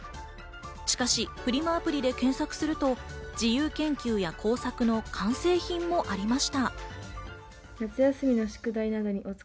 しかし、フリマアプリで検索すると、自由研究や工作の完成品もありました。